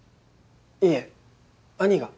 いえ兄が。